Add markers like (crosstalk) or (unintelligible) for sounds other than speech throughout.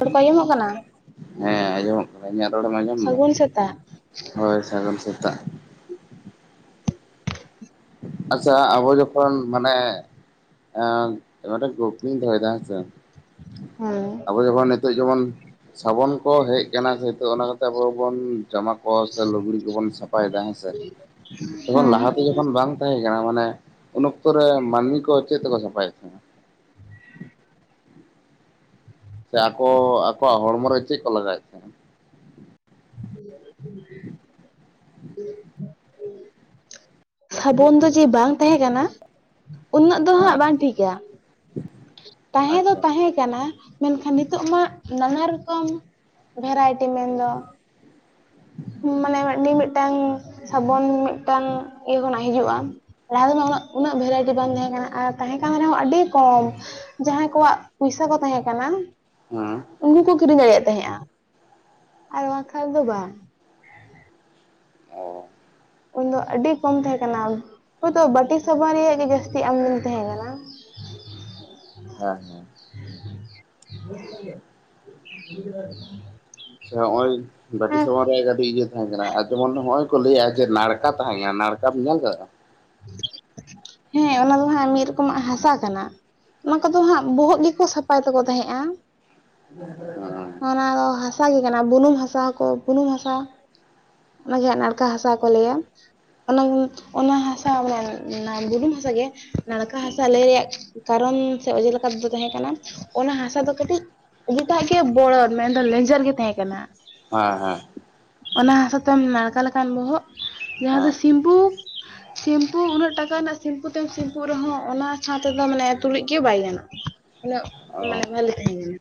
ᱨᱚᱲ ᱠᱚ ᱟᱡᱚᱢᱚᱜ ᱠᱟᱱᱟ? ᱦᱮᱸ ᱟᱸᱡᱚᱢᱚᱜ ᱠᱟᱱᱟ ᱤᱧᱟᱹᱜ ᱨᱚᱲᱮᱢ ᱟᱸᱡᱚᱢ ᱮᱫᱟ, ᱥᱟᱹᱜᱩᱱ ᱥᱮᱛᱟᱜ ᱦᱳᱭ ᱥᱟᱹᱜᱩᱱ ᱥᱮᱛᱟᱜ। (inaudible) ᱟᱪᱪᱷᱟ ᱟᱵᱚ ᱡᱚᱠᱷᱚᱱ ᱢᱟᱱᱮ ᱮᱸ ᱢᱤᱫᱴᱮᱱ ᱠᱩᱠᱞᱤᱧ ᱫᱚᱦᱚᱭ ᱫᱟᱜ ᱦᱮᱸᱥᱮ ᱦᱮᱸ ᱟᱵᱚ ᱡᱠᱷᱚᱱ ᱱᱤᱛᱚᱜ ᱡᱮᱢᱚᱱ ᱥᱟᱵᱚᱱ ᱠᱚ ᱦᱮᱡ ᱟᱠᱟᱱᱟ ᱥᱮ ᱱᱤᱛᱚᱜ ᱚᱱᱟ ᱠᱚᱛᱮ ᱟᱵᱚ ᱵᱚᱱ ᱡᱟᱢᱟ ᱠᱚ ᱥᱮ ᱞᱩᱜᱽᱲᱤ ᱠᱚᱵᱚᱱ ᱥᱟᱯᱷᱟ ᱭᱮᱫᱟ ᱦᱮᱸᱥᱮ ᱡᱚᱠᱷᱚᱱ ᱞᱟᱦᱟᱛᱮ ᱦᱮᱸ। ᱡᱚᱠᱷᱚᱱ ᱵᱟᱝ ᱛᱟᱦᱮᱸ ᱠᱟᱱᱟ ᱢᱟᱱᱮ ᱩᱱ ᱚᱠᱛᱚ ᱨᱮ ᱢᱟᱹᱱᱢᱤ ᱠᱚ ᱪᱮᱫ ᱛᱮᱠᱚ ᱥᱟᱯᱷᱟᱭᱮᱫ ᱛᱟᱦᱮᱸᱱ? (unintelligible) ᱥᱮ ᱟᱠᱚ ᱟᱠᱚᱣᱟᱜ ᱦᱚᱲᱢᱚ ᱨᱮ ᱪᱮᱫ ᱠᱚ ᱞᱟᱜᱟᱣᱮᱫ ᱛᱟᱦᱮᱸ? (unintelligible) ᱥᱟᱵᱚᱱ ᱫᱚ ᱡᱮ ᱵᱟᱝ ᱛᱟᱦᱮᱸ ᱠᱟᱱᱟ ᱩᱱᱟᱹᱜ ᱫᱚ ᱦᱟᱸᱜ ᱵᱟᱝ ᱴᱷᱤᱠᱟ᱾ ᱛᱟᱦᱮᱸ ᱫᱚ ᱟᱪᱪᱷᱟ ᱛᱟᱦᱮᱸ ᱠᱟᱱᱟ, ᱢᱮᱱᱠᱷᱟᱱ ᱱᱤᱛᱚᱜ ᱢᱟ ᱱᱟᱱᱟ ᱨᱚᱠᱚᱢ ᱵᱷᱮᱨᱟᱭᱴᱤ ᱢᱮᱱᱫᱚ ᱢᱟᱱᱮ ᱢᱤ ᱢᱤᱫᱤᱫᱴᱟᱝ ᱥᱟᱵᱚᱱ ᱢᱤᱫᱴᱟᱝ ᱤᱭᱟᱹ ᱠᱷᱚᱱᱟᱜ ᱦᱤᱡᱩᱜ-ᱟ᱾ ᱞᱟᱦᱟ ᱛᱮᱫᱚ ᱩᱱᱟ ᱩᱱᱟᱹᱜ ᱵᱷᱮᱨᱟᱭᱴᱤ ᱵᱟᱝ ᱛᱟᱦᱮᱸ ᱠᱟᱱᱟ ᱟᱨ ᱛᱟᱦᱮᱸ ᱠᱟᱱ ᱨᱮᱦᱚᱸ ᱟᱹᱰᱤ ᱠᱚᱢ᱾ ᱡᱟᱦᱟᱸᱭ ᱠᱚᱣᱟᱜ ᱯᱚᱭᱥᱟ ᱠᱚ ᱛᱟᱦᱮᱸ ᱠᱟᱱᱟ ᱦᱩᱸ ᱾ ᱩᱱᱠᱩ ᱠᱚ ᱠᱤᱨᱤᱧ ᱫᱟᱲᱮᱭᱟᱜ ᱛᱟᱦᱮᱸᱼᱟ ᱟᱨ ᱵᱟᱝ ᱠᱷᱟᱱ ᱫᱚ ᱵᱟᱝ᱾ (unintelligible) ᱩᱱ ᱫᱚ ᱟᱹᱰᱤ ᱠᱚᱢ ᱛᱟᱦᱮᱸ ᱠᱟᱱᱟ ᱦᱚᱭᱛᱳ ᱵᱟᱴᱤ ᱥᱟᱵᱟᱱ ᱨᱮᱭᱟᱜ ᱜᱮ ᱡᱟᱹᱥᱛᱤ ᱟᱢᱫᱟᱱᱤ ᱛᱟᱦᱮᱸ ᱠᱟᱱᱟ ᱾ ᱦᱮᱸ ᱦᱮᱸ (unintelligible) ᱥᱮ ᱦᱚᱸᱼᱚᱭ ᱵᱟᱹᱴᱤ ᱟᱨ ᱥᱟᱵᱟᱱ ᱨᱮᱭᱟ ᱜᱮ ᱟᱹᱰᱤ ᱤᱭᱟᱹ ᱛᱟᱦᱮᱸ ᱠᱟᱱᱟ, ᱟᱨ ᱡᱮᱢᱚᱱ ᱱᱚ-ᱚᱭ ᱠᱚ ᱞᱟᱹᱭᱮᱫ ᱡᱮ ᱱᱟᱲᱠᱟ ᱛᱟᱦᱮᱸ ᱠᱟᱱᱟ ᱱᱟᱲᱠᱟᱢ ᱧᱮᱞ ᱟᱠᱟᱫᱟ? (unintelligible) ᱦᱮᱸ ᱚᱱᱟ ᱫᱚ ᱦᱟᱸᱜ ᱢᱤᱫ ᱨᱚᱠᱚᱢᱟᱜ ᱦᱟᱥᱟ ᱠᱟᱱᱟ ᱾ ᱚᱱᱟ ᱠᱚᱫᱚ ᱦᱟᱸᱜ ᱵᱚᱦᱚᱜ ᱜᱮᱠᱚ ᱥᱟᱯᱷᱟᱭ ᱛᱟᱠᱚ ᱛᱟᱦᱮᱸᱜ-ᱟ ᱾ (unintelligible) ᱚᱱᱟ ᱫᱚ ᱦᱟᱥᱟ ᱜᱮ ᱠᱟᱱᱟ ᱵᱩᱱᱩᱢ ᱦᱟᱥᱟ ᱠᱚ ᱵᱩᱱᱩᱢ ᱦᱟᱥᱟ ᱾ ᱚᱱᱟᱜᱮ ᱦᱟᱸᱜ ᱱᱟᱲᱠᱟ ᱦᱟᱥᱟ ᱠᱚ ᱞᱟᱹᱭᱟ, ᱚᱱᱟ ᱚᱱᱟ ᱦᱟᱥ ᱢᱟᱱᱮ ᱚᱱᱟ ᱵᱩᱞᱩᱝ ᱦᱟᱥᱟᱜᱮ ᱱᱟᱲᱠᱟ ᱦᱟᱥᱟ ᱞᱟᱹᱭ ᱮᱜ ᱠᱟᱨᱚᱱ ᱥᱮ ᱚᱡᱮ ᱞᱮᱠᱟ ᱛᱮᱫᱚ ᱛᱟᱦᱮᱸ ᱠᱟᱱᱟ ᱚᱱᱟ ᱦᱟᱥᱟ ᱫᱚ ᱦᱮᱸ ᱠᱟᱹᱴᱤᱡ ᱟᱰᱤ ᱮᱴᱟᱜ ᱜᱮ ᱵᱚᱲᱚ ᱢᱮᱱᱫᱚ ᱞᱮᱱᱡᱮᱨ ᱜᱮ ᱛᱟᱦᱮᱸ ᱠᱟᱱᱟ ᱾ ᱦᱮᱸᱻᱦᱮᱸ ᱾ ᱚᱱᱟ ᱦᱟᱥᱟ ᱛᱮᱢ ᱱᱟᱲᱠᱟ ᱞᱮᱠᱟᱱ ᱵᱚᱦᱚᱜ ᱡᱟᱦᱟᱸ ᱫᱚ ᱦᱮᱸ ᱥᱤᱢᱯᱩ ᱥᱤᱢᱯᱩ ᱩᱱᱟᱹᱜ ᱴᱟᱠᱟ ᱨᱮᱱᱟᱜ ᱥᱤᱢᱯᱩ ᱛᱮᱢ ᱥᱤᱢᱯᱩ ᱨᱮᱦᱚᱸ ᱚᱱᱟ ᱥᱟᱶ ᱛᱮᱫᱚ ᱢᱟᱱᱮ ᱛᱩᱞᱩᱡ ᱜᱮ ᱵᱟᱭ ᱜᱟᱱᱚᱜ-ᱟ ᱾ ᱚᱲᱟᱜ ᱚ ᱢᱟᱱᱮ ᱵᱷᱟᱞᱮ ᱛᱟᱦᱮᱱ ᱠᱟᱱᱟ ᱾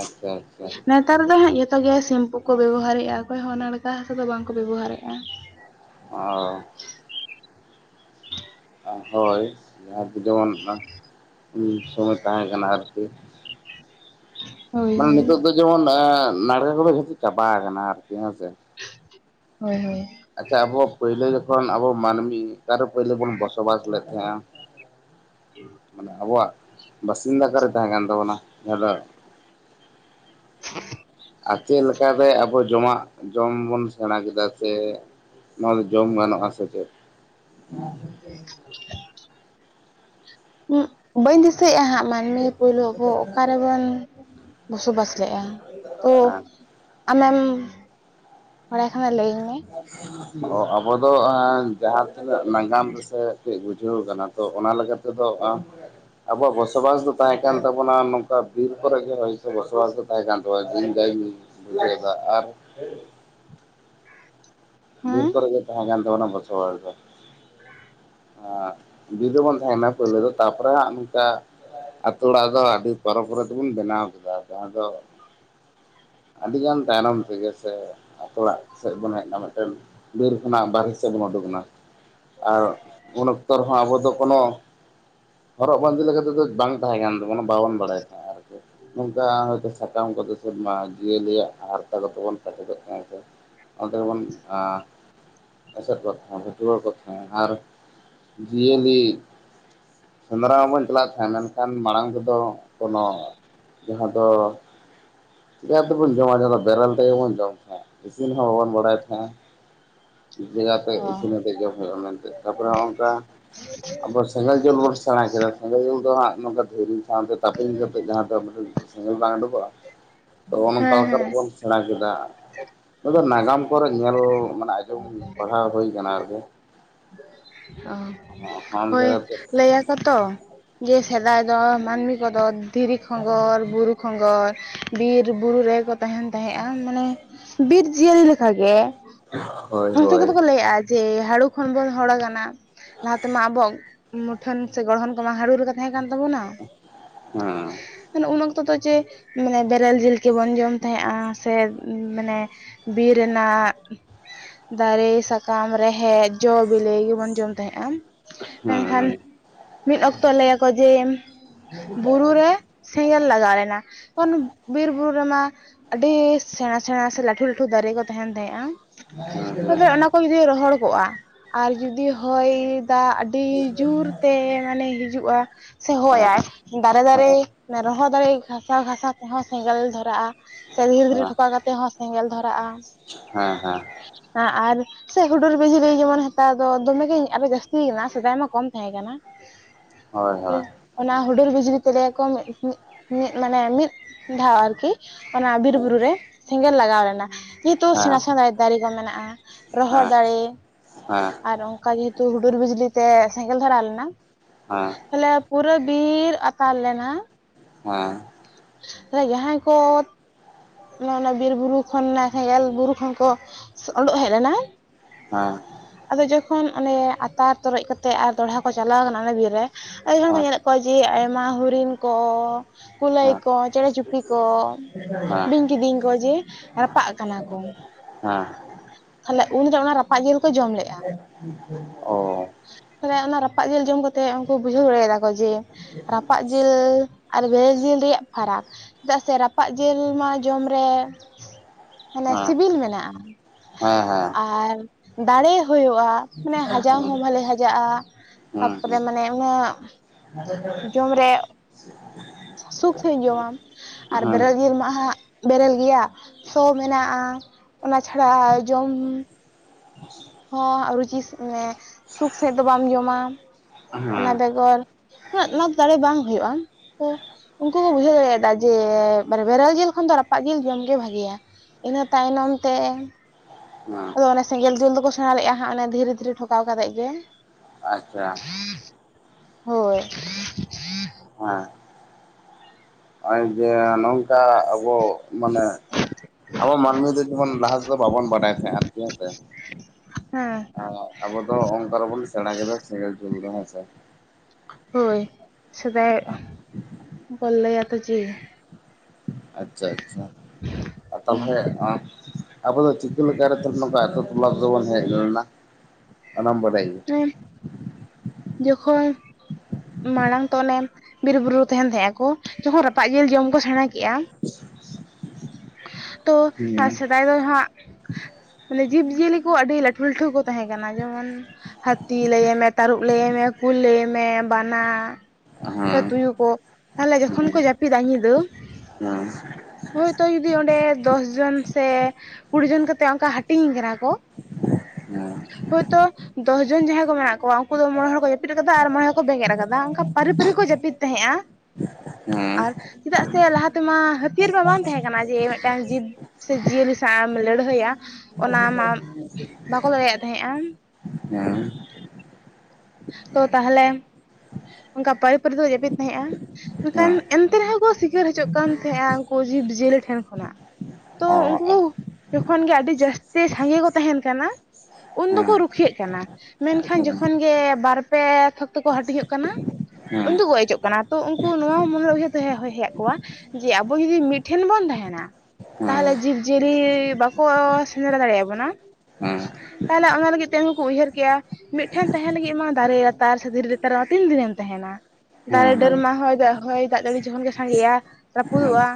ᱟᱪᱪᱷᱟ ᱟᱪᱪᱷᱟ ᱱᱮᱛᱟᱨ ᱫᱚ ᱦᱟᱸᱜ ᱡᱚᱛᱚ ᱜᱮ ᱥᱮᱢᱯᱩ ᱠᱚ ᱵᱮᱵᱚᱦᱟᱨᱮᱜ-ᱟ ᱚᱠᱚᱭ ᱦᱚᱸ ᱚᱱᱟ ᱞᱮᱠᱟ ᱦᱟᱥᱟ ᱫᱚ ᱵᱟᱝᱠᱚ ᱵᱮᱵᱚᱦᱟᱨᱮᱜ-ᱟ ᱾ (unintelligible) ᱚ ᱦᱳᱭ ᱾ (unintelligible) ᱩᱱ ᱥᱚᱢᱚᱭ ᱛᱟᱦᱮᱸ ᱠᱟᱱᱟ ᱟᱨᱠᱤ? (unintelligible) ᱱᱤᱛᱚᱜ ᱫᱚ ᱡᱮᱢᱚᱱ ᱱᱟᱲᱠᱟ ᱠᱚᱫᱚ ᱠᱟᱴᱤᱡ ᱪᱟᱵᱟ ᱟᱠᱟᱱᱟ ᱟᱨᱠᱤ ᱦᱮᱸᱥᱮ ᱾ ᱦᱳᱭᱻᱦᱳᱭ ᱾ ᱟᱪᱪᱷᱟ ᱟᱵᱚ ᱯᱳᱭᱞᱳ ᱡᱚᱠᱷᱚᱱ ᱟᱵᱚ ᱢᱟᱹᱱᱢᱤ ᱚᱠᱟᱨᱮ ᱯᱳᱭᱞᱳ ᱵᱚᱱ ᱵᱚᱥᱚᱵᱟᱥ ᱞᱮᱫ ᱛᱟᱦᱮᱸᱟ? ᱢᱟᱱᱮ ᱟᱵᱚᱣᱟᱜ ᱵᱟᱥᱤᱱᱫᱟ ᱚᱠᱟᱨᱮ ᱛᱟᱦᱮᱸ ᱠᱟᱱ ᱛᱟᱵᱚᱱᱟ ᱡᱟᱦᱟᱸ ᱫᱚ (unintelligible) ᱟᱨ ᱪᱮᱫ ᱞᱮᱠᱟᱨᱮ ᱟᱵᱚ ᱡᱚᱢᱟᱜ ᱡᱚᱢ ᱵᱚᱱ ᱥᱮᱬᱟ ᱠᱮᱫᱟ ᱥᱮ ᱱᱚᱣᱟ ᱫᱚ ᱡᱚᱢ ᱜᱟᱱᱚᱜ ᱟᱥᱮ ᱪᱮᱫ? ᱩᱜ ᱵᱟᱹᱧ ᱫᱤᱥᱟᱹᱭᱮᱫ-ᱟ ᱦᱟᱸᱜ ᱢᱟᱹᱱᱢᱤ ᱯᱳᱭᱞᱳ ᱟᱵᱚ ᱚᱠᱟᱨᱮ ᱵᱚᱱ ᱵᱚᱥᱚᱵᱟᱥ ᱞᱮᱫᱼᱟ ᱛᱚ ᱟᱢᱮᱢ ᱾ ᱚᱸᱰᱮ ᱠᱷᱚᱱᱟᱜ ᱞᱟᱹᱭᱟᱹᱧ ᱢᱮ᱾ ᱚ ᱟᱵᱚ ᱫᱚ ᱡᱟᱦᱟᱸ ᱛᱤᱱᱟᱹᱜ ᱱᱟᱜᱟᱢ ᱨᱮᱥᱮ ᱠᱟᱹᱡ ᱵᱩᱡᱷᱟᱹᱣ ᱠᱟᱱᱟ᱾ ᱛᱚ ᱚᱱᱟ ᱞᱮᱠᱟ ᱛᱮᱫᱚ, ᱟᱵᱚᱣᱟᱜ ᱵᱚᱥᱚᱵᱟᱥ ᱫᱚ ᱛᱟᱦᱮᱸ ᱠᱟᱱ ᱛᱟᱵᱚᱱᱟ ᱱᱚᱝᱠᱟ ᱵᱤᱨ ᱠᱚᱨᱮ ᱜᱮ ᱵᱚᱥᱚᱵᱟᱥ ᱫᱚ, ᱛᱟᱦᱮᱸ ᱠᱟᱱ ᱛᱟᱵᱚ ᱤᱧ ᱡᱟᱹᱧ ᱵᱩᱡᱷᱟᱹᱣᱮᱫᱟ ᱟᱨ᱾ ᱦᱮᱸ ᱵᱤᱨ ᱠᱚᱨᱮ ᱜᱮ ᱛᱟᱦᱮᱸ ᱠᱟᱱ ᱛᱟᱵᱚᱱᱟ ᱵᱚᱥᱵᱟᱥ ᱫᱚ᱾ ᱵᱤᱨ ᱫᱚᱵᱚᱱ ᱛᱟᱦᱮᱱᱟ ᱯᱳᱭᱞᱳ ᱫᱚ ᱛᱟᱯᱚᱨᱮ ᱦᱟᱸᱜ ᱱᱚᱝᱠᱟ᱾ ᱟᱛᱩ ᱚᱲᱟᱜ ᱫᱚ ᱟᱹᱰᱤ ᱯᱚᱨᱮ ᱯᱚᱨᱮ ᱛᱮᱵᱚᱱ ᱵᱮᱱᱟᱣ ᱠᱮᱫᱟ ᱡᱟᱸᱦᱟ ᱫᱚ, ᱟᱹᱰᱤᱜᱟᱱ ᱛᱟᱭᱱᱚᱢ ᱛᱮᱜᱮ ᱥᱮ ᱟᱛᱳ ᱚᱲᱟᱜ ᱥᱮᱫ ᱵᱚᱱ ᱦᱮᱡ ᱮᱱᱟ ᱢᱤᱫᱴᱮᱱ ᱵᱤᱨ ᱠᱷᱚᱱᱟᱜ ᱵᱟᱨᱦᱮ ᱥᱮᱫ ᱵᱚᱱ ᱩᱰᱩᱠᱱᱟ᱾ ᱟᱨ ᱩᱱ ᱚᱠᱛᱚ ᱨᱮᱦᱚᱸ ᱟᱵᱚ ᱫᱚ ᱠᱳᱱᱳ ᱦᱚᱨᱚᱜ ᱵᱟᱸᱫᱮ ᱞᱮᱠᱟᱛᱮᱫᱚ ᱵᱟᱝ ᱛᱟᱦᱮᱸ ᱠᱟᱱ ᱛᱟᱵᱚᱱᱟ ᱵᱟᱵᱚᱱ ᱵᱟᱲᱟᱭ ᱛᱟᱦᱮᱸᱼᱟ ᱟᱨᱠᱤ᱾ ᱱᱚᱝᱠᱟ ᱦᱚᱭᱛᱚ ᱥᱟᱠᱟᱢ ᱠᱚᱫᱚ ᱥᱮ ᱢᱟᱼᱼ ᱡᱤᱭᱟᱹᱞᱤᱭᱟᱜ ᱦᱟᱨᱛᱟ ᱠᱚᱛᱮ ᱵᱚᱱ ᱯᱟᱮᱴᱮᱫᱚᱜ ᱠᱟᱱᱟ ᱥᱮ ᱚᱱᱛᱮ ᱵᱚᱱ ᱟᱸ᱾ ᱮᱥᱮᱫ ᱠᱟᱛ ᱛᱟᱦᱮᱸ ᱪᱷᱟᱹᱴᱩᱣᱟᱹᱲ ᱠᱚ ᱛᱟᱦᱮᱸ ᱟᱨ ᱡᱤᱭᱟᱹᱞᱤ ᱥᱮᱸᱫᱽᱨᱟ ᱢᱟᱵᱚᱱ ᱪᱟᱞᱟᱜ ᱛᱟᱦᱮᱸᱫ ᱢᱮᱱᱠᱷᱟᱱ ᱢᱟᱲᱟᱝ ᱛᱮᱫᱚ ᱠᱳᱱᱳ ᱡᱟᱦᱟᱸ ᱫᱚ᱾ ᱪᱮᱠᱟ ᱠᱟᱛᱮᱵᱚᱱ ᱡᱚᱢᱟ ᱵᱮᱨᱮᱞ ᱛᱮᱜᱮᱵᱚᱱ ᱡᱚᱢ ᱛᱟᱦᱮᱸᱜ ᱤᱥᱤᱱ ᱦᱚᱸ ᱵᱟᱵᱚᱱ ᱵᱟᱲᱟᱭ ᱛᱟᱦᱮᱸᱜ-ᱟ᱾ ᱚ (unintelligible) ᱤᱥᱤᱱ ᱠᱟᱛᱮᱫ ᱡᱚᱢ ᱦᱩᱭᱩᱜᱼᱟ ᱢᱮᱱᱛᱮ ᱛᱟᱯᱚᱨᱮ ᱦᱚᱸ ᱚᱱᱠᱟ, ᱟᱵᱚ ᱥᱮᱸᱜᱮᱞ ᱡᱩᱞ ᱵᱚᱱ ᱥᱮᱬᱟ ᱠᱮᱫᱟ ᱥᱮᱸᱜᱮᱞ ᱡᱩᱞ ᱫᱚ ᱦᱟᱸᱜ ᱱᱚᱝᱠᱟ ᱫᱷᱤᱨᱤ ᱥᱟᱶᱛᱮ, ᱛᱟᱯᱤᱧ ᱠᱟᱛᱮᱫ ᱡᱟᱦᱟᱸ ᱫᱚ ᱢᱤᱫᱴᱮᱱ ᱥᱮᱸᱜᱮᱞ ᱵᱟᱝ ᱩᱰᱩᱠᱚᱜᱼᱟ? ᱛᱚ ᱚᱱᱠᱟ ᱦᱮᱸ ᱞᱮᱠᱟ ᱦᱮᱸ ᱛᱮᱵᱚᱱ ᱥᱮᱬᱟ ᱠᱮᱫᱟ ᱟᱫᱚ ᱱᱟᱜᱟᱢ ᱠᱚᱨᱮ ᱧᱮᱞ ᱢᱟᱱᱮ, ᱟᱸᱡᱚᱢ ᱯᱟᱲᱦᱟᱣ ᱦᱩᱭ ᱟᱠᱟᱱᱟ ᱟᱨᱠᱤ᱾ ᱚ ᱦᱳᱭ ᱞᱮᱭᱟ ᱠᱚᱛᱚ ᱡᱮ ᱥᱮᱫᱟᱭ ᱫᱚ ᱢᱟᱹᱱᱢᱤ ᱠᱚᱫᱚ ᱫᱷᱤᱨᱤ ᱠᱷᱚᱸᱜᱚᱨ ᱵᱩᱨᱩ ᱠᱷᱚᱸ ᱜᱚᱨ ᱵᱤᱨ ᱵᱩᱨᱩ ᱨᱮᱠᱚ ᱛᱟᱦᱮᱱ ᱛᱟᱦᱮᱸᱜᱼᱟ ᱢᱟᱱᱮ, ᱵᱤᱨ ᱡᱤᱭᱟᱹᱞᱤ ᱞᱮᱠᱟᱜᱮ ᱦᱳᱭ ᱚᱱᱛᱮ ᱦᱳᱭ ᱠᱚᱫᱚ ᱠᱚ ᱞᱟᱹᱭᱮᱜᱼᱟ ᱡᱮ ᱦᱟᱹᱲᱩ ᱠᱷᱚᱱ ᱵᱚᱱ ᱦᱚᱲ ᱠᱟᱱᱟ ᱞᱟᱦᱟ ᱛᱮᱢᱟ ᱟᱵᱚᱣᱟᱜ ᱢᱩᱴᱷᱟᱹᱱ ᱥᱮ ᱜᱚᱲᱦᱚᱱ ᱠᱚᱢᱟ ᱦᱟᱸᱲᱩ ᱞᱮᱠᱟ ᱛᱟᱦᱮᱸ ᱠᱟᱱ ᱛᱟᱵᱚᱱᱟ᱾ ᱦᱮᱸ, ᱩᱱ ᱚᱠᱛᱚ ᱫᱚ ᱡᱮ ᱢᱟᱱᱮ ᱵᱮᱨᱮᱞ ᱡᱮᱞ ᱠᱮᱵᱚᱱ ᱡᱚᱢ ᱛᱟᱦᱮᱸᱜᱼᱟ ᱥᱮ ᱢᱟᱱᱮ, ᱵᱤᱨ ᱨᱮᱱᱟᱜ ᱫᱟᱨᱮ ᱥᱟᱠᱟᱢ ᱨᱮᱦᱮᱡ, ᱡᱚ ᱵᱮᱞᱮ ᱜᱮᱵᱚᱱ ᱡᱚᱢ ᱛᱟᱦᱮᱸᱜᱼᱟ᱾ ᱦᱮᱸ ᱢᱮᱱᱠᱷᱟᱱ ᱢᱤᱫ ᱚᱠᱛᱚ ᱞᱮᱭᱟᱠᱚ ᱡᱮ ᱵᱩᱨᱩ ᱨᱮ, ᱥᱮᱸᱜᱮᱞ ᱞᱟᱜᱟᱣ ᱞᱮᱱᱟ ᱚᱱ ᱵᱤᱨ ᱵᱩᱨᱩ ᱨᱮᱢᱟ, ᱟᱹᱰᱤ ᱥᱮᱬᱟ ᱥᱮᱬᱟ ᱥᱮ ᱞᱟᱹᱴᱷᱩ ᱞᱟᱹᱴᱷᱩ ᱫᱟᱨᱮ ᱠᱚ ᱛᱟᱦᱮᱱ ᱛᱟᱦᱮᱸᱜᱼᱟ᱾ ᱛᱚᱵᱮ (unintelligible) ᱚᱱᱟ ᱠᱚ ᱡᱩᱫᱤ ᱨᱚᱦᱚᱲ ᱠᱚᱜᱼᱟ ᱟᱨ ᱡᱩᱫᱤ ᱦᱚᱭ ᱫᱟᱜ ᱰᱤ ᱡᱩᱨᱛᱮ ᱢᱟᱱᱮ ᱦᱤᱡᱩᱜᱼᱟ ᱥᱮ ᱦᱚᱭᱟᱭ ᱫᱟᱨᱮ ᱦᱮᱸ ᱫᱟᱨᱮ, ᱚᱱᱮ ᱨᱚᱦᱚᱲ ᱫᱟᱲᱮ ᱜᱷᱟᱥᱟᱣ ᱜᱷᱟᱥᱟᱣ ᱛᱮᱦᱚᱸ ᱥᱮᱸᱜᱮᱞ ᱫᱷᱚᱨᱟᱜᱼᱟ ᱥᱮ ᱫᱷᱤᱨᱤ ᱫᱷᱤᱨᱤ ᱴᱷᱚᱠᱟ ᱠᱟᱛᱮ ᱦᱚᱸ ᱥᱮᱸᱜᱮᱞ ᱫᱷᱚᱨᱟᱜᱼᱟ ᱦᱮᱸ ᱦᱮᱸ ᱦᱮᱸ ᱦᱮᱸ ᱟᱨ ᱥᱮ ᱦᱩᱰᱩᱨ ᱵᱤᱡᱽᱞᱤ ᱡᱮᱢᱚᱱ, ᱦᱮᱛᱟᱨ ᱫᱚ ᱫᱚᱢᱮᱜᱤ ᱟᱨᱚ ᱡᱟᱹᱥᱛᱤ ᱠᱟᱱᱟ ᱥᱮᱫᱟᱭ ᱢᱟ ᱠᱚᱢ ᱛᱟᱦᱮᱸ ᱠᱟᱱᱟ ᱦᱳᱭ ᱛᱚ ᱦᱳᱭ ᱚᱱᱟ ᱦᱩᱰᱩᱨ ᱵᱤᱡᱽᱞᱤ ᱛᱮᱞᱮᱭᱟ ᱠᱚ ᱢᱤᱫ ᱢᱤᱫ ᱢᱤᱫ ᱢᱟᱱᱮ ᱢᱤᱫ ᱫᱷᱟᱣ ᱟᱨᱠᱤ᱾ ᱚᱱᱟ ᱵᱤᱨ ᱦᱮᱸ ᱵᱩᱨᱩ ᱨᱮ ᱥᱮᱸᱜᱮᱞ ᱞᱟᱜᱟᱣ ᱞᱮᱱᱟ᱾ ᱱᱤᱛᱽ ᱦᱚᱸ ᱦᱮᱸ ᱥᱮᱬᱟ ᱥᱮᱬᱟ ᱫᱟᱭ ᱫᱟᱨᱮ ᱠᱚ ᱢᱮᱱᱟᱜᱼᱟ ᱦᱮᱸ ᱦᱮᱸ ᱦᱮᱸ ᱦᱮᱸ ᱨᱚᱦᱚᱲ ᱫᱟᱨᱮ᱾ ᱟᱨ ᱚᱝᱠᱟ ᱡᱮᱦᱮᱛᱩ ᱦᱩᱰᱩᱨ ᱵᱤᱡᱽᱞᱤᱛᱮ ᱥᱮᱸᱜᱮᱞ ᱫᱷᱚᱨᱟ ᱞᱮᱱᱟ ᱛᱟᱦᱞᱮ ᱯᱩᱨᱟᱹ ᱵᱤᱨ ᱟᱛᱟᱨ ᱞᱮᱱᱟ᱾ ᱦᱮᱸ ᱨᱮ ᱡᱟᱦᱟᱸᱭ ᱠᱚ ᱚᱱᱮ ᱚᱱᱟ ᱵᱤᱨ ᱵᱩᱨᱩ ᱠᱷᱚᱱᱼᱱᱮ ᱥᱮᱸᱜᱮᱞ ᱵᱩᱨᱩ ᱠᱷᱚᱱ ᱠᱚ ᱚᱸᱰᱳᱜ ᱦᱮᱡ ᱞᱮᱱᱟ᱾ ᱦᱟᱸ ᱟᱫᱚ ᱡᱚᱠᱷᱚᱱ ᱚᱱᱮ ᱟᱛᱟᱨ ᱛᱚᱨᱚᱡ ᱠᱟᱛᱮᱜ ᱟᱨ ᱫᱚᱲᱦᱟ ᱠᱚ ᱪᱟᱞᱟᱣ ᱠᱟᱱᱟ ᱚᱱᱟ ᱵᱤᱨ ᱨᱮ ᱟᱨ ᱡᱚᱠᱷᱚᱱ ᱠᱚ ᱧᱮᱞᱮᱜ ᱠᱚ ᱡᱮ ᱟᱭᱢᱟ ᱦᱩᱨᱤᱱ ᱠᱚ, ᱠᱩᱞᱟᱹᱭ ᱠᱚ, ᱪᱮᱬᱮ ᱪᱩᱯᱲᱤ ᱠᱚ ᱦᱮᱸ ᱵᱤᱧ ᱠᱤᱫᱤᱧ ᱠᱚ ᱡᱮ ᱨᱟᱯᱟᱜ ᱠᱟᱱᱟ ᱠᱚ᱾ ᱦᱮᱸ ᱦᱮᱸ ᱛᱟᱦᱮᱞᱮ ᱩᱱᱤ ᱫᱚ ᱚᱱᱟ ᱨᱟᱯᱟᱜᱽ ᱡᱮᱞ ᱠᱚᱭ ᱡᱚᱢ ᱞᱮᱜᱼᱟ᱾ ᱚ ᱛᱟᱦᱚᱞᱮ ᱚᱱᱟ ᱨᱟᱯᱟᱜ ᱡᱚᱢ ᱠᱟᱛᱮᱜ ᱩᱱᱠᱩ ᱵᱩᱡᱷᱟᱹᱣ ᱫᱟᱲᱟᱭ ᱫᱟ ᱠᱚ ᱡᱮ ᱨᱟᱯᱟᱜ ᱡᱮᱞ ᱟᱨ ᱵᱮᱨᱮᱞ ᱡᱮᱞ ᱨᱮᱭᱟᱜ ᱯᱷᱟᱨᱟᱠ᱾ ᱪᱮᱫᱟᱜ ᱥᱮ ᱨᱟᱯᱟᱜ ᱡᱮᱞ ᱢᱟ ᱡᱚᱢ ᱨᱮ ᱢᱟᱱᱮ ᱦᱮᱸ ᱥᱤᱵᱤᱞ ᱢᱮᱱᱟᱜᱼᱟ᱾ ᱦᱮᱸ ᱟᱨ ᱫᱟᱲᱮ ᱦᱳᱭᱳᱜᱼᱟ᱾ ᱢᱟᱱᱮ ᱦᱮᱸ ᱦᱟᱡᱟᱣ ᱦᱩᱸ ᱦᱚᱸ ᱵᱷᱟᱞᱮ ᱦᱟᱡᱟᱜᱼᱟ᱾ ᱦᱩᱸ ᱛᱟᱯᱚᱨᱮ ᱢᱟᱱᱮ ᱩᱱᱟᱜ (inaudible) ᱥᱩᱠ ᱥᱟᱹᱦᱤᱡ ᱡᱚᱢᱟᱢ, ᱟᱨ ᱦᱩᱸ ᱵᱮᱨᱮᱞ ᱡᱮᱞ ᱢᱟ ᱦᱟᱸᱜ ᱵᱮᱨᱮᱞ ᱜᱮᱭᱟ ᱥᱚ ᱢᱮᱱᱟᱜᱼᱟ, ᱚᱱᱟ ᱪᱷᱟᱲᱟ ᱡᱚᱢ (inaudible) ᱦᱚᱸ ᱟ ᱨᱩᱪᱥ ᱢᱟᱱᱮ ᱥᱩᱠᱷ ᱥᱟᱺᱦᱤᱫ ᱫᱚ ᱵᱟᱢ ᱡᱚᱢᱟ ᱚᱱᱟ ᱦᱩᱸ ᱵᱮᱜᱚᱨ ᱩᱱᱟᱹᱜ ᱢᱟᱛ ᱫᱟᱲᱮ ᱵᱟᱝ ᱦᱳᱭᱳᱜᱼᱟ, ᱛᱚ ᱩᱝᱠᱩ ᱠᱚ ᱵᱩᱡᱷᱟᱹᱣ ᱫᱟᱲᱮᱭᱟᱫᱟ ᱡᱮ, ᱵᱮᱨᱮᱞ ᱡᱮᱞ ᱠᱷᱚᱱ ᱫᱚ ᱨᱟᱯᱟᱜ ᱡᱮᱞ ᱡᱚᱢ ᱜᱮ ᱵᱷᱟᱜᱮᱭᱟ ᱾ ᱤᱱᱟᱹ ᱛᱟᱭᱱᱚᱢ ᱛᱮ ᱦᱩᱸ ᱟᱫᱚ ᱚᱱᱮ ᱥᱮᱸᱜᱮᱞ ᱡᱳᱞ ᱫᱚᱠᱚ ᱥᱮᱬᱟ ᱞᱮᱜᱼᱟ ᱦᱟᱸᱜ ᱚᱱᱮ ᱫᱷᱤᱨᱤ ᱫᱷᱤᱨᱤ ᱴᱷᱚᱠᱟᱣ ᱠᱟᱛᱮᱫ ᱜᱮ ᱾ ᱟᱪᱪᱷᱟ᱾ ᱦᱳᱭ᱾ ᱦᱮᱸ ᱦᱚᱸᱜᱼᱚᱭ ᱡᱮ ᱱᱚᱝᱠᱟ ᱟᱵᱚ ᱢᱟᱱᱮ ᱟᱵᱚ ᱢᱟᱹᱱᱢᱤ ᱫᱚ ᱡᱮᱢᱚᱱ ᱞᱟᱦᱟ ᱛᱮᱫᱚ ᱵᱟᱵᱚᱱ ᱵᱟᱰᱟᱭ ᱛᱟᱦᱮᱸᱜ ᱟᱨᱠᱤ ᱦᱮᱸ ᱥᱮ ᱦᱮᱸ ᱟᱵᱚ ᱫᱚ ᱚᱝᱠᱟ ᱨᱮ ᱵᱚᱱ ᱥᱮᱬᱟ ᱠᱮᱫᱟ ᱥᱮᱸᱜᱮᱞ ᱡᱩᱞ ᱫᱚ ᱦᱮᱸ ᱥᱮ ᱦᱳᱭ ᱥᱮᱫᱟᱭ ᱦᱚᱠᱚ ᱞᱟᱹᱭᱟ ᱛᱚ ᱡᱮ ᱟᱪᱪᱷᱟ ᱟᱪᱪᱷᱟ, ᱟᱨ ᱛᱟᱦᱚᱞᱮ ᱟᱵᱚ ᱫᱚ ᱪᱤᱠᱟᱹ ᱞᱮᱠᱟ ᱨᱮ ᱛᱟᱦᱟᱞᱮ ᱟᱛᱳ ᱴᱚᱞᱟ ᱨᱮᱫᱚ ᱵᱚᱱ ᱦᱮᱡ ᱞᱮᱱᱟ, ᱚᱱᱟᱢ ᱵᱟᱰᱟᱭ ᱜᱮᱭᱟ (inaudible) ᱡᱚᱠᱷᱚᱱ ᱢᱟᱲᱟᱝ ᱛᱚ ᱚᱱᱮ ᱵᱤᱨ ᱵᱩᱨᱩ ᱛᱟᱦᱮᱱ ᱛᱟᱦᱮᱜ ᱟᱠᱚ ᱡᱚᱠᱷᱚᱱ ᱨᱟᱯᱟᱜ ᱡᱤᱞ ᱡᱚᱢ ᱠᱚ ᱥᱮᱬᱟ ᱠᱮᱜ-ᱟ ᱾ (inaudible) ᱛᱚ ᱟᱨ ᱜᱮᱭᱟ ᱥᱮᱫᱟᱭ ᱫᱚ ᱦᱟᱸᱜ ᱢᱟᱱᱮ ᱡᱤᱵᱽ-ᱡᱤᱭᱟᱹᱞᱤ ᱠᱚ ᱟᱹᱰᱤ ᱞᱟᱹᱴᱷᱩ ᱞᱟᱹᱴᱷᱩ ᱠᱚ ᱛᱟᱦᱮᱸ ᱠᱟᱱᱟ ᱡᱮᱢᱚᱱ ᱦᱟᱹᱛᱤ ᱞᱟᱹᱭᱮ ᱢᱮ ᱛᱟᱹᱨᱩᱵ ᱞᱟᱹᱭᱮ ᱢᱮ ᱠᱩᱞ ᱞᱟᱹᱭᱮ ᱢᱮ ᱵᱟᱱᱟ ᱦᱩᱸ ᱛᱩᱭᱩ ᱠᱚ ᱛᱟᱦᱞᱮ ᱡᱚᱠᱷᱚᱱ ᱠᱚ ᱡᱟᱹᱯᱤᱫᱟ ᱧᱤᱫᱟᱹ ᱦᱮᱸ ᱦᱳᱭ ᱛᱚ ᱡᱩᱫᱤ ᱚᱸᱰᱮ ᱫᱚᱥ ᱡᱚᱱ ᱥᱮ ᱠᱩᱲᱤ ᱡᱚᱱ ᱠᱟᱛᱮᱜ ᱚᱱᱠᱟ ᱦᱟᱹᱴᱤᱧ ᱠᱟᱱᱟ ᱠᱚ ᱦᱳᱭ ᱛᱚ ᱫᱚᱥ ᱡᱚᱱ ᱡᱟᱦᱟᱸᱭ ᱠᱚ ᱢᱮᱱᱟᱜ ᱠᱚᱣᱟ ᱩᱱᱠᱩ ᱫᱚ ᱢᱚᱬᱮ ᱦᱚᱲ ᱠᱚ ᱡᱟᱹᱯᱤᱫ ᱠᱟᱫᱟ ᱟᱨ ᱢᱚᱬᱮ ᱦᱚᱲ ᱠᱚ ᱵᱮᱸᱜᱮᱫ ᱠᱟᱫᱟ᱾ ᱚᱱᱠᱟ ᱯᱟᱹᱨᱤ ᱯᱟᱹᱨᱤ ᱠᱚ ᱡᱟᱹᱯᱤᱫ ᱛᱟᱦᱮᱜ-ᱟ ᱾ (inaudible) ᱟᱨ ᱪᱮᱫᱟᱜ ᱥᱮ ᱞᱟᱦᱟ ᱛᱮᱢᱟ ᱦᱟᱹᱛᱭᱟᱹᱨ ᱢᱟ ᱵᱟᱝ ᱛᱟᱦᱮᱸ ᱠᱟᱱᱟ ᱡᱮ ᱢᱤᱫᱴᱟᱝ ᱡᱤᱵᱽ- ᱥᱮ ᱡᱤᱭᱟᱹᱞᱤ ᱥᱟᱶ ᱮᱢ ᱞᱟᱹᱲᱦᱟᱹᱭᱟ᱾ ᱚᱱᱟ ᱢᱟ (inaudible) ᱵᱟᱠᱚ ᱫᱟᱲᱮᱭᱟᱜ ᱛᱟᱦᱮᱜ-ᱟ᱾ ᱦᱩᱸ ᱛᱚ ᱛᱟᱦᱟᱞᱮ ᱚᱱᱠᱟ ᱯᱟᱹᱨᱤ ᱯᱟᱹᱨᱤ ᱛᱮᱠᱚ ᱡᱟᱹᱯᱤᱫ ᱛᱟᱦᱮᱜ-ᱟ᱾ ᱢᱮᱱᱠᱷᱟᱱ ᱦᱩᱸ ᱮᱱᱛᱮ ᱨᱮᱦᱚᱸ ᱠᱚ ᱥᱤᱠᱟᱹᱨ ᱦᱚᱪᱚᱜ ᱠᱟᱱ ᱛᱟᱦᱮᱜ-ᱟ, ᱩᱱᱠᱩ ᱡᱤᱵᱽ-ᱡᱤᱭᱟᱹᱞᱤ ᱴᱷᱮᱱ ᱠᱷᱚᱱᱟᱜ᱾ ᱛᱚ ᱚ ᱩᱱᱠᱩ ᱡᱚᱠᱷᱚᱱ ᱜᱮ ᱟᱹᱰᱤ ᱡᱟᱹᱥᱛᱤ ᱥᱟᱸᱜᱮ ᱠᱚ ᱛᱟᱦᱮᱱ ᱠᱟᱱᱟ᱾ ᱩᱱ ᱫᱚᱠᱚ ᱦᱩᱸ ᱨᱩᱠᱷᱤᱭᱟᱹᱜ ᱠᱟᱱᱟ᱾ ᱢᱮᱱᱠᱷᱟᱱ ᱦᱩᱸ ᱡᱚᱠᱷᱚᱱ ᱜᱮ ᱵᱟᱨ, ᱯᱮ ᱛᱷᱚᱠ ᱛᱮᱠᱚ ᱦᱟᱹᱴᱤᱧᱚᱜ ᱠᱟᱱᱟ᱾ ᱚ ᱦᱮᱸ ᱩᱱ ᱫᱚ ᱜᱚᱡ ᱚᱪᱚᱜ ᱠᱟᱱᱟ, ᱛᱚ ᱩᱱᱠᱩ ᱱᱚᱣᱟ ᱢᱚᱱᱮ ᱨᱮ ᱩᱭᱦᱟᱹᱨ ᱛᱟᱦᱮᱸ ᱦᱮᱡ ᱫᱚ ᱦᱮᱡ ᱟᱫ ᱠᱚᱣᱟ᱾ ᱡᱮ ᱟᱵᱚ ᱡᱩᱫᱤ ᱢᱤᱫ ᱴᱷᱮᱱ ᱵᱚᱱ ᱛᱟᱦᱮᱱᱟ᱾ ᱚᱸᱰᱮ ᱛᱟᱦᱚᱞᱮ ᱡᱤᱵᱽ-ᱡᱤᱭᱟᱹᱞᱤ ᱵᱟᱠᱚ ᱥᱮᱸᱫᱽᱨᱟ ᱫᱟᱲᱮ ᱭᱟᱵᱚᱱᱟ᱾ ᱦᱩᱸ ᱛᱟᱦᱚᱞᱮ ᱚᱱᱟ ᱞᱟᱹᱜᱤᱫ ᱛᱮ ᱩᱱᱠᱩ ᱠᱚ ᱩᱭᱦᱟᱹᱨ ᱠᱮᱜ-ᱟ, ᱢᱤᱫᱴᱷᱮᱱ ᱛᱟᱦᱮᱸ ᱞᱟᱹᱜᱤᱫ ᱢᱟ ᱫᱟᱨᱮ ᱞᱟᱛᱟᱨ ᱥᱮ ᱫᱷᱤᱨᱤ ᱞᱟᱛᱟᱨ ᱛᱤᱱ ᱫᱤᱱᱮᱢ ᱛᱟᱦᱮᱱᱟ᱾ ᱫᱟᱨᱮ ᱰᱟᱹᱨᱢᱟ ᱦᱚᱭ ᱫᱟᱜ ᱦᱚᱭ ᱫᱟᱜ ᱡᱟᱹᱲᱤ ᱡᱚᱠᱷᱚᱱ ᱜᱮ ᱥᱟᱸᱜᱮᱜ-ᱟ ᱨᱟᱹᱯᱩᱫᱚᱜ-ᱟ᱾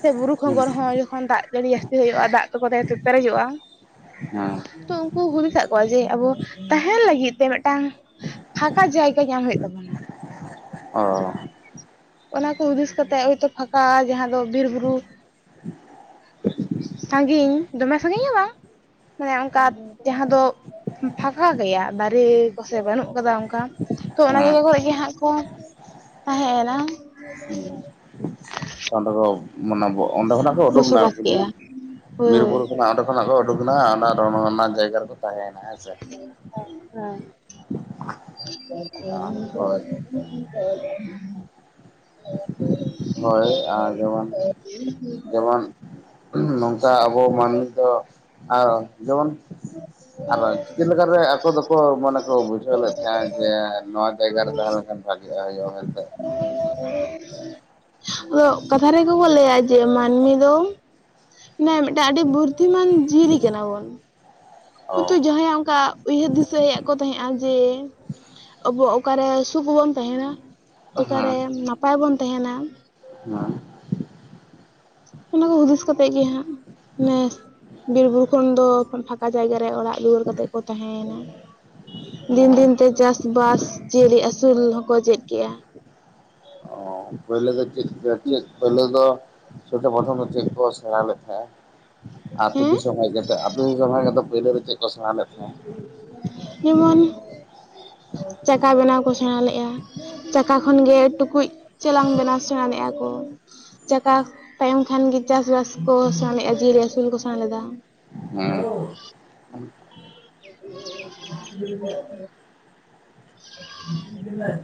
ᱥᱮ ᱵᱩᱨᱩ ᱠᱷᱚᱸᱜᱚᱨ ᱦᱚᱸ ᱡᱚᱠᱷᱚᱱ ᱫᱟᱜ ᱡᱟᱹᱲᱤ ᱡᱟᱥᱛᱤ ᱦᱩᱭᱩᱜ-ᱟ ᱫᱟᱜ ᱠᱚ ᱛᱮ ᱯᱮᱨᱮᱡᱚᱜ-ᱟ᱾ ᱛᱚ ᱩᱱᱠᱩ ᱦᱩᱫᱤᱥ ᱟᱫ ᱠᱚᱣᱟ ᱡᱮ ᱟᱵᱚ ᱛᱟᱦᱮᱱ ᱞᱟᱹᱜᱤᱫ ᱛᱮ ᱢᱮᱫᱴᱟᱝ ᱯᱷᱟᱸᱠᱟ ᱡᱟᱭᱜᱟ ᱧᱟᱢ ᱦᱩᱭᱩᱜ ᱛᱟᱵᱚᱱᱟ᱾ ᱚᱱᱟ ᱠᱚ ᱦᱩᱫᱤᱥ ᱠᱟᱛᱮᱫ ᱦᱳᱭ ᱛᱳ ᱯᱷᱟᱠᱟ ᱡᱟᱦᱟᱸ ᱫᱚ ᱵᱤᱨ-ᱵᱩᱨᱩ ᱥᱟᱺᱜᱤᱧ ᱫᱚᱢᱮ ᱥᱟᱺᱜᱤᱧ ᱦᱚ ᱵᱟᱝ ᱢᱟᱱᱮ ᱚᱱᱠᱟ ᱡᱟᱦᱟᱸ ᱫᱚ ᱯᱷᱟᱠᱟ ᱜᱮᱭᱟ, ᱫᱟᱨᱮ ᱠᱚᱥᱮ ᱵᱟᱹᱱᱩᱜ ᱠᱟᱫᱟ ᱚᱱᱠᱟ ᱛᱚ ᱚᱱᱟ ᱡᱟᱭᱜᱟ ᱠᱚᱨᱮ ᱜᱮ ᱦᱟᱸᱜ ᱠᱚ ᱛᱟᱦᱮᱸᱭ ᱮᱱᱟ᱾ ᱚᱸᱰᱮ ᱫᱚ ᱢᱟᱱᱮ ᱚᱸᱰᱮ ᱠᱷᱚᱱᱟᱜ ᱠᱚ ᱩᱰᱩᱠᱱᱟ ᱵᱚᱥᱚᱵᱟᱥ ᱟᱨᱠᱤ ᱠᱮᱜᱼᱟ ᱦᱳᱭ ᱦᱳᱭ ᱵᱤᱨ-ᱵᱩᱨᱩ ᱠᱷᱚᱱᱟᱜ ᱚᱸᱰᱮ ᱠᱷᱚᱱᱟᱜ ᱠᱚ ᱳᱰᱳᱠ ᱮᱱᱟ ᱚᱱᱟ ᱨᱚᱱᱚ ᱨᱮᱱᱟᱜ ᱡᱟᱭᱜᱟ ᱨᱮᱠᱚ ᱛᱟᱦᱮᱸᱭ ᱮᱱᱟ᱾ ᱦᱮᱸ ᱦᱳᱭ (inaudible) (inaudible) ᱦᱳᱭ ᱟᱨ ᱡᱮᱢᱚᱱ ᱡᱮᱢᱚᱱ ᱱᱚᱝᱠᱟ ᱟᱵᱚ ᱢᱟᱹᱱᱢᱤ ᱫᱚ ᱟᱨ ᱡᱮᱢᱚᱱ ᱟᱨᱚ ᱪᱤᱠᱟᱹ ᱞᱮᱠᱟ ᱨᱮ ᱟᱠᱚ ᱫᱚ ᱠᱚ ᱢᱚᱱᱮ ᱠᱚ ᱵᱩᱡᱷᱟᱹᱣ ᱞᱮᱫ ᱛᱟᱦᱮᱸᱫ ᱡᱮ ᱱᱚᱣᱟ ᱡᱟᱭᱜᱟ ᱨᱮ ᱛᱟᱦᱮᱸ ᱞᱮᱱᱠᱷᱟᱱ ᱵᱷᱟᱜᱤᱜ-ᱟ ᱦᱩᱭᱩᱜ-ᱟ ᱢᱮᱱᱛᱮ᱾ ᱟᱫᱚᱜ ᱠᱟᱛᱷᱟ ᱨᱮᱜᱮ ᱠᱚ ᱞᱟᱹᱭᱟ ᱡᱮ ᱢᱟᱹᱱᱢᱤ ᱫᱚ ᱢᱟᱱᱮ ᱢᱤᱫᱴᱮᱱ ᱟᱹᱰᱤ ᱵᱩᱨᱫᱷᱤᱢᱟᱱ ᱡᱤᱭᱟᱹᱞᱤ ᱠᱟᱱᱟ ᱵᱚᱱ᱾ ᱚ ᱦᱚᱭ ᱛᱳ ᱡᱟᱦᱟᱸᱭᱟᱜ ᱚᱱᱠᱟ ᱩᱭᱦᱟᱹᱨ ᱫᱤᱥᱟᱹ ᱦᱮᱡ ᱟᱠᱚ ᱛᱟᱦᱮᱸᱜᱼᱟ, ᱡᱮ ᱟᱵᱚ ᱚᱠᱟᱨᱮ ᱥᱩᱠ ᱵᱚᱱ ᱛᱟᱦᱮᱱᱟ᱾ ᱚᱠᱟᱨᱮ ᱱᱟᱯᱟᱭ ᱵᱚᱱ ᱛᱟᱦᱮᱱᱟ᱾ ᱚᱱᱟ ᱚᱱᱟ ᱠᱚ ᱦᱩᱫᱤᱥ ᱠᱟᱛᱮᱫ ᱜᱮ ᱦᱟᱸᱜ ᱢᱮ ᱵᱤᱨ-ᱵᱩᱨᱩ ᱠᱷᱚᱱ ᱫᱚ ᱯᱷᱟᱠᱟ ᱡᱟᱭᱜᱟᱨ ᱨᱮ ᱚᱲᱟᱜ ᱫᱩᱣᱟᱹᱨ ᱠᱟᱛᱮᱫ ᱠᱚ ᱛᱟᱦᱮᱸᱭ ᱮᱱᱟ᱾ ᱫᱤᱱ ᱚ ᱫᱤᱱ ᱛᱮ ᱪᱟᱥ ᱵᱟᱥ ᱡᱤᱭᱟᱹᱞᱤ ᱟᱹᱥᱩᱞ ᱦᱚᱸᱠᱚ ᱪᱮᱫ ᱠᱮᱜ-ᱟ᱾ ᱚ ᱯᱳᱭᱞᱳ ᱫᱚ ᱪᱮᱫ ᱠᱚ ᱪᱮᱫ ᱯᱳᱭᱞᱳ ᱫᱚ ᱪᱷᱳᱴᱳ ᱯᱨᱚᱛᱷᱚᱢ ᱫᱚ ᱪᱮᱫ ᱠᱚ ᱥᱮᱬᱟ ᱞᱮᱫ ᱛᱟᱦᱮᱸ-ᱟ᱾ ᱟᱹᱛᱩ ᱦᱮᱸ ᱫᱤᱥᱚᱢ ᱦᱮᱡ ᱠᱟᱛᱮᱫ ᱟᱹᱛᱩ ᱠᱟᱢᱟ ᱠᱟᱛᱮᱫ ᱯᱳᱭᱞᱳ ᱨᱮ ᱪᱮᱫ ᱠᱚ ᱥᱮᱬᱟ ᱞᱮᱫ ᱛᱟᱦᱮᱸ? ᱡᱮᱢᱚᱱ ᱪᱟᱠᱟ ᱵᱮᱱᱟᱣ ᱠᱚ ᱥᱮᱬᱟ ᱞᱮᱜ-ᱟ᱾ ᱪᱟᱠᱟ ᱠᱷᱚᱱ ᱜᱮ ᱴᱩᱠᱩᱡ, ᱪᱮᱞᱟᱝ ᱵᱮᱱᱟᱣ ᱥᱮᱬᱟ ᱞᱮᱜ-ᱟ ᱠᱚ᱾ ᱪᱟᱠᱟ ᱛᱟᱭᱚᱢ ᱠᱷᱟᱱ ᱜᱮ ᱪᱟᱥ ᱵᱟᱥ ᱠᱚ ᱥᱮᱬᱟᱞᱮᱜ-ᱟ ᱡᱤᱭᱟᱹᱣᱞᱤ ᱟᱹᱥᱩᱞ ᱠᱚ ᱥᱮᱬᱟ ᱞᱮᱫᱟ᱾ (inaudible) (inaudible)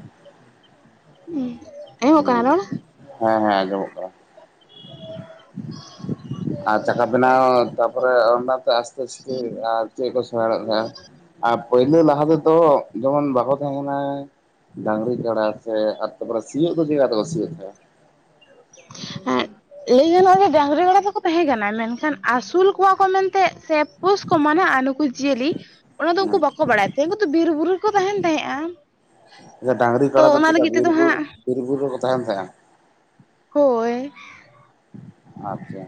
ᱦᱩᱸ ᱟᱸᱡᱚᱢᱚᱜ ᱠᱟᱱᱟ ᱦᱩᱸ ᱨᱚᱲ? ᱦᱮᱸ ᱦᱮᱸ ᱟᱸᱡᱚᱢᱚᱜ ᱠᱟᱱᱟ᱾ (inaudible) ᱟᱨ ᱪᱟᱠᱟ ᱵᱮᱱᱟᱣ ᱛᱟᱯᱚᱨᱮ ᱚᱱᱟᱛᱮ ᱟᱥᱛᱮ ᱟᱥᱛᱮ ᱟᱨ ᱪᱮᱫ ᱠᱚ ᱥᱮᱬᱟᱞᱮᱫ ᱛᱟᱦᱮᱸᱱᱟ? ᱟᱨ ᱯᱳᱭᱞᱳ ᱞᱟᱦᱟ ᱛᱮ ᱫᱚ ᱡᱮᱢᱚᱱ ᱵᱟᱠᱚ ᱛᱟᱦᱮᱸ ᱠᱟᱱᱟ ᱰᱟᱹᱝᱨᱤ ᱠᱟᱲᱟ᱾ ᱥᱮ ᱟᱨ ᱛᱟᱯᱚᱨᱮ ᱥᱤᱭᱳᱜ ᱫᱚ ᱪᱮᱫᱽᱠᱟ ᱠᱟᱛᱮ ᱠᱚ ᱥᱤᱭᱳᱜ ᱠᱚᱣᱟ? ᱦᱮᱸ᱾ ᱞᱟᱹᱭ ᱜᱟᱱᱚᱜ-ᱟ ᱡᱮ ᱰᱟᱹᱝᱨᱤ ᱠᱟᱲᱟ ᱫᱚᱠᱚ ᱛᱟᱦᱮᱸ ᱠᱟᱱᱟ ᱢᱮᱱᱠᱷᱟᱱ ᱟᱹᱥᱩᱞ ᱠᱚᱣᱟ ᱠᱚ ᱢᱮᱱᱛᱮᱸᱜ ᱥᱮ ᱯᱩᱥ ᱠᱚ ᱢᱟᱱᱟᱜ-ᱟ ᱱᱩᱠᱩ ᱡᱤᱭᱟᱹᱞᱤ ᱚᱱᱟ ᱫᱚ ᱩᱝᱠᱩ ᱦᱮᱸ ᱵᱟᱠᱚ ᱵᱟᱲᱟᱭ ᱛᱟᱦᱮᱸᱜ ᱩᱝᱠᱩ ᱫᱚ ᱵᱤᱨ ᱵᱩᱨᱩ ᱨᱮ ᱠᱚ ᱛᱟᱦᱮᱸᱱ ᱛᱟᱦᱮᱸᱜ-ᱟ᱾ ᱦᱮᱸ ᱰᱟᱹᱝᱨᱤ ᱠᱟᱲᱟ ᱫᱚ ᱪᱮᱫ ᱠᱟ ᱵᱤᱨ ᱵᱩᱨᱩ ᱦᱟᱸᱜ ᱵᱤᱨ ᱵᱩᱨᱩ ᱨᱮᱠᱚ ᱛᱟᱦᱮᱸᱱ ᱛᱟᱦᱮᱸᱜ-ᱟ? ᱦᱳᱭ᱾ ᱟᱪᱪᱷᱟ᱾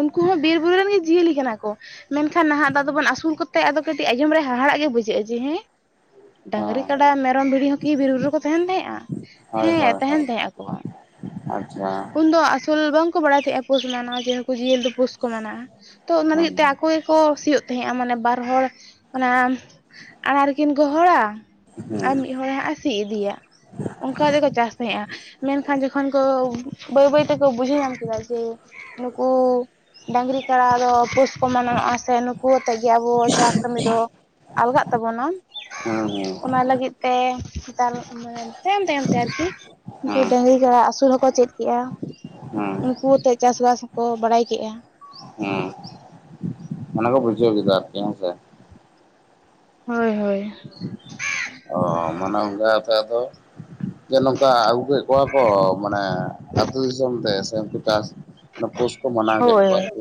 ᱩᱱᱠᱩ ᱦᱚᱸ ᱵᱤᱨ ᱵᱩᱨᱩ ᱨᱮᱱ ᱜᱮ ᱡᱤᱭᱟᱹᱞᱤ ᱠᱟᱱᱟ ᱠᱚ᱾ ᱢᱮᱱᱠᱷᱟᱱ ᱱᱟᱦᱟᱜ ᱫᱟ ᱟᱫᱚ ᱵᱚᱱ ᱟᱹᱥᱩᱞ ᱠᱚᱛᱮ ᱟᱫᱚ ᱠᱟᱹᱴᱤᱡ ᱟᱸᱚᱢ ᱨᱮ ᱦᱟᱦᱟᱲᱟᱜ ᱜᱮ ᱵᱩᱡᱷᱟᱹᱜ-ᱟ ᱡᱮ ᱦᱮᱸ ᱰᱟᱹᱝᱨᱤ ᱠᱟᱰᱟ ᱦᱮᱸ ᱢᱮᱨᱚᱢ ᱵᱷᱤᱲᱤ ᱦᱚᱸᱠᱤ ᱵᱤᱨ ᱵᱩᱨᱩ ᱨᱮᱠᱚ ᱛᱟᱦᱮᱸᱱ ᱛᱟᱦᱮᱸᱜ-ᱟ᱾ ᱦᱳᱭ ᱦᱮᱸ ᱦᱳᱭ ᱦᱳᱭ ᱛᱟᱦᱮᱸᱱ ᱛᱟᱦᱮᱸ ᱟᱠᱚ, ᱟᱪᱪᱷᱟ ᱩᱱᱫᱚ ᱟᱥᱩᱞ ᱵᱟᱝ ᱠᱚ ᱵᱟᱲᱟᱭ ᱛᱟᱦᱮᱸᱜ-ᱟ (unintelligible) ᱡᱤᱭᱟᱹᱞ ᱫᱚ ᱯᱩᱥ ᱠᱚ ᱢᱟᱱᱟᱜ-ᱟ ᱛᱚ ᱚᱱᱟ ᱞᱟᱹᱜᱤᱫ ᱛᱮ ᱦᱩᱸ ᱟᱠᱚ ᱠᱚ ᱥᱤᱭᱳᱜ ᱛᱟᱦᱮᱸᱜ-ᱟ ᱢᱟᱱᱮ ᱵᱟᱨ ᱦᱚᱲ ᱚᱱᱟ ᱟᱲᱟᱨ ᱠᱤᱱ ᱜᱚᱦᱚᱸᱲᱟ ᱦᱩᱸ ᱟᱨ ᱢᱤᱫ ᱦᱚᱲ ᱦᱟᱸᱜ-ᱮ ᱥᱤ ᱤᱫᱤᱭᱟ ᱚᱱᱠᱟ ᱠᱟᱛᱮᱠᱚ ᱪᱟᱥ ᱛᱟᱦᱮᱸᱜ-ᱟ᱾ ᱢᱮᱱᱠᱷᱟᱱ ᱡᱚᱠᱷᱚᱱ ᱠᱚ, ᱵᱟᱹᱭ ᱵᱟᱹᱭ ᱛᱮᱠᱚ ᱵᱩᱡᱷᱟᱹᱣ ᱧᱟᱢ ᱠᱮᱫᱟ ᱡᱮ ᱠᱩ ᱰᱟᱝᱨᱤ, ᱠᱟᱲᱟ ᱫᱚ ᱯᱩᱥ ᱠᱚ ᱢᱟᱱᱚᱣᱜ-ᱟ ᱥᱮ ᱱᱩᱠᱩ ᱟᱛᱮᱜ ᱜᱮ ᱟᱵᱚ ᱪᱟᱥ ᱠᱟᱹᱢᱤ ᱫᱚ ᱟᱞᱜᱟᱜ ᱛᱟᱵᱚᱱᱟ ᱦᱩᱸ ᱚᱱᱟ ᱦᱩᱸ ᱞᱟᱹᱜᱤᱫ ᱛᱮ ᱱᱮᱛᱟᱨ ᱢᱟᱱᱮ ᱛᱟᱭᱚᱢ ᱛᱟᱭᱚᱢ ᱛᱮ ᱟᱹᱨᱠᱤ ᱰᱟᱹᱝᱨᱤ ᱠᱟᱲᱟ ᱟᱹᱥᱩᱞ ᱦᱚᱸᱠᱚ ᱪᱮᱫᱽ ᱠᱮᱜ-ᱟ, ᱦᱩᱸ ᱦᱩᱸ ᱩᱱᱠᱩ ᱟᱛᱮᱜ ᱪᱟᱥ ᱵᱟᱥ ᱠᱚ ᱵᱟᱲᱟᱭ ᱠᱮᱜ-ᱟ᱾ ᱚᱱᱟᱠᱟ ᱵᱩᱡᱷᱟᱹᱣ ᱠᱮᱫᱟ ᱟᱹᱨᱠᱤ ᱦᱮᱸᱥᱮ᱾ ᱦᱳᱭ ᱦᱳᱭ᱾ ᱚ ᱢᱟᱱᱮ ᱚᱱᱠᱟ ᱠᱟᱛᱮ ᱟᱫᱚ ᱫᱮ ᱱᱚᱝᱠᱟ ᱟᱹᱜᱩ ᱠᱮᱫ ᱠᱚᱣᱟ ᱠᱚ, ᱢᱟᱱᱮ ᱟᱹᱛᱩ ᱫᱤᱥᱚᱢ ᱛᱮ ᱥᱮ ᱩᱱᱠᱩ ᱪᱟᱥ ᱚᱱᱟ ᱯᱳᱥ ᱠᱚ ᱢᱟᱱᱟᱣ ᱠᱮᱫ ᱦᱳᱭ ᱠᱚᱣᱟ (inaudible)